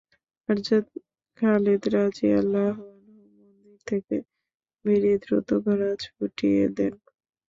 হযরত Khalid রাযিয়াল্লাহু আনহু মন্দির থেকে বেরিয়ে দ্রুত ঘোড়া ছুটিয়ে দেন।